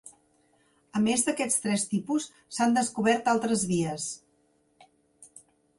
A més d’aquest tres tipus s’han descobert altres vies.